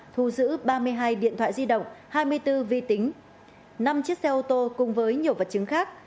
thu giữ ba mươi hai điện thoại di động hai mươi bốn vi tính năm chiếc xe ô tô cùng với nhiều vật chứng khác